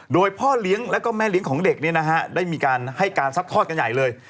โดยพ่อเลี้ยงแล้วก็แม่เลี้ยงของเด็กได้มีการให้การซัดทอดกันใหญ่เลย